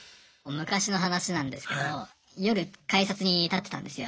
昔の話なんですけど夜改札に立ってたんですよ。